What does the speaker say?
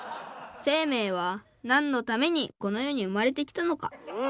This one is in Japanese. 生命はなんのためにこの世にうまれてきたのか。